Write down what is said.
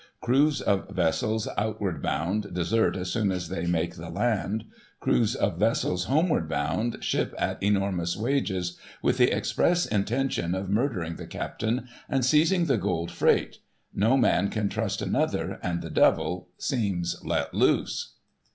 Crews of vessels outward bound, desert as soon as they make the land; crews of vessels homeward bound, ship at enormous wages, with the express intention of murdering the captain and seizing the gold freight ; no man can trust another, and the devil seems let loose.